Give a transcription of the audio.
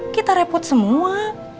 kita reput semua